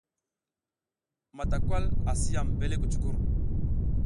Matawal asi yam mbele kucuckur.